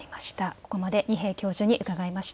ここまで二瓶教授に伺いました。